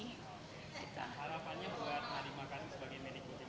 harapannya buat nadiem makarim sebagai menteri kemendikbud